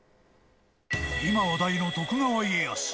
今話題の徳川家康。